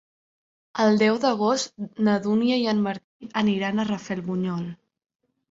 El deu d'agost na Dúnia i en Martí aniran a Rafelbunyol.